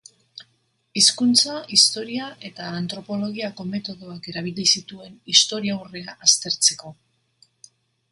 Hizkuntza, historia eta antropologiako metodoak erabili zituen historiaurrea aztertzeko.